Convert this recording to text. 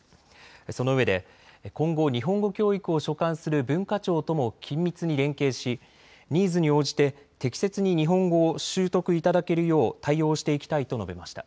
そのうえで今後、日本語教育を所管する文化庁とも緊密に連携しニーズに応じて適切に日本語を習得いただけるよう対応していきたいと述べました。